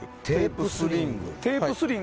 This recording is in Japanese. テープスリング。